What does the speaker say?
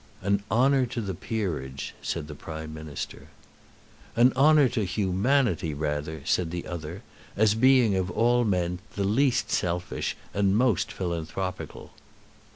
"An honour to the peerage!" said the Prime Minister. "An honour to humanity rather," said the other, "as being of all men the least selfish and most philanthropical."